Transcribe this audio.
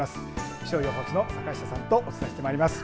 気象予報士の坂下さんとお伝えしてまいります。